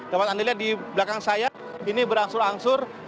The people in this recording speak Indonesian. dapat anda lihat di belakang saya ini berangsur angsur